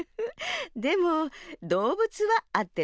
でもどうぶつはあってるかもね。